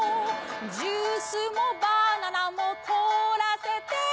ジュースもバナナも凍らせて